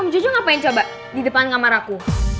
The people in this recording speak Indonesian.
om jejo ngapain coba di depan kamar aku